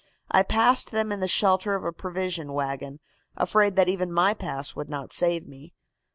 I passed them in the shelter of a provision wagon, afraid that even my pass would not save me.